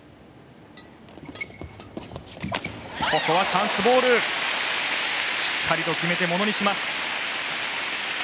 チャンスボールをしっかり決めてものにします。